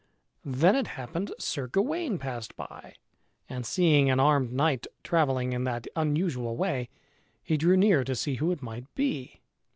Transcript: Then it happened Sir Gawain passed by and seeing an armed knight travelling in that unusual way he drew near to see who it might be.